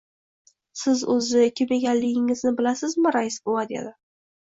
Siz, o‘zi... kim ekanligingizni bilasizmi, rais bova? — dedi.